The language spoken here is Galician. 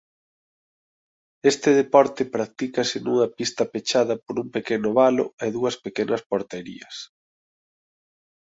Este deporte practícase nunha pista pechada por un pequeno valo e dúas pequenas porterías.